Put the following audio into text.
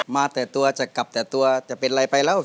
มาแต่ตัวจะกลับแต่ตัวจะเป็นอะไรไปแล้ว